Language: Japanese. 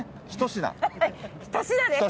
１品です。